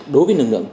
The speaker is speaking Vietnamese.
đối với lực lượng